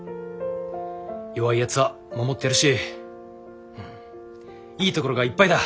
弱いやつは守ってやるしいいところがいっぱいだ。